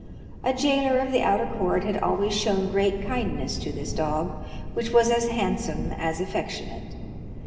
A jailor of the outer court had always shown great kindness to this dog, which was as handsome as affectionate.